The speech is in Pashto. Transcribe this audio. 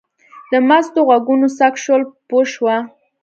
د مستو غوږونه څک شول پوه شوه.